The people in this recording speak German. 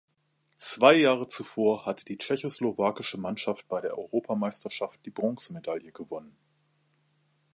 Zwei Jahre zuvor hatte die tschechoslowakische Mannschaft bei der Europameisterschaft die Bronzemedaille gewonnen.